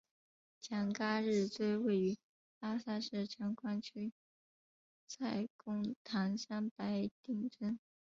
强嘎日追位于拉萨市城关区蔡公堂乡白定村。